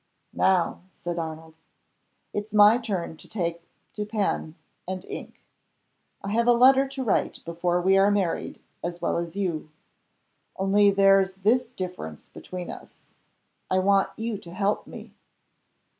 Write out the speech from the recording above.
"Now," said Arnold, "it's my turn to take to pen and ink. I have a letter to write before we are married as well as you. Only there's this difference between us I want you to help me."